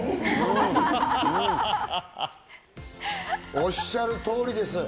おっしゃる通りです。